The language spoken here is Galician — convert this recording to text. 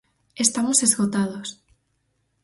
Estamos esgotados.